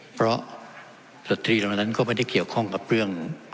เพราะสตรีเหล่านั้นก็ไม่ได้เกี่ยวข้องกับเรื่อง